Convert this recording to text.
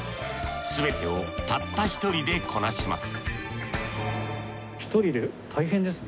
すべてをたった１人でこなします